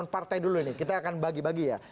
menteri non partai dulu ini kita akan bagi bagi ya